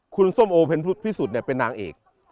คุณส้มโอเพ็ญพุทธพิสุทธิ์เป็นนางเอก